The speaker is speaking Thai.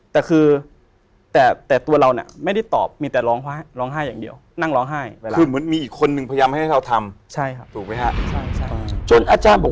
แต่คือแต่ตัวเราเนี่ยไม่ได้ตอบมีแต่ร้องไห้อย่างเดียวนั่งร้องไห้